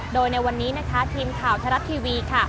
โดยในวันนี้นะคะทีมข่าวไทยรัฐทีวีค่ะ